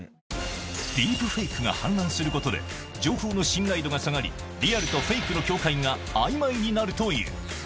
ディープフェイクが氾濫することで、情報の信頼度が下がり、リアルとフェイクの境界があいまいになるという。